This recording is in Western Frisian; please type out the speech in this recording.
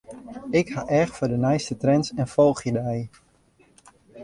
Ik ha each foar de nijste trends en folgje dy.